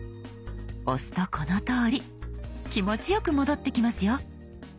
押すとこのとおり気持ちよく戻ってきますよ。